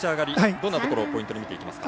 どんなところをポイントに見ていきますか？